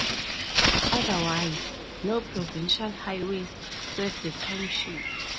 Otherwise, no provincial highways serve the township.